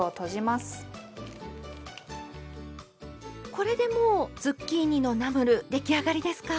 これでもうズッキーニのナムル出来上がりですか？